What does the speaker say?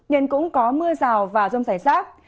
nhưng cũng có mưa rào và rông rải rác